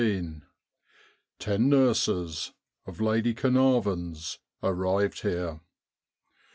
Ten nurses (Lady Carnarvon's) arrived here.